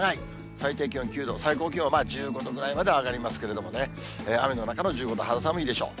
最低気温９度、最高気温１５度ぐらいまで上がりますけれどもね、雨の中の１５度、肌寒いでしょう。